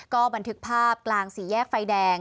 ก็บันทึกภาพกลางสี่แยกไฟแดง